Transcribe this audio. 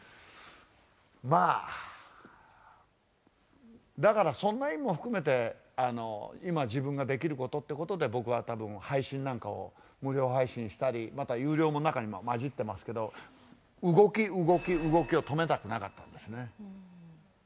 まあだからそんな意味も含めて今自分ができることってことで僕は多分配信なんかを無料配信したりまた有料も中には混じってますけど動き動き動きを止めたくなかったんですね。